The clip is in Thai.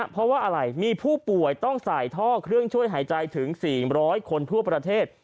เพราะว่าอะไรมีผู้ป่วยต้องใส่ท่อเครื่องช่วยหายใจถึง๔๐๐คนทั่วประเทศ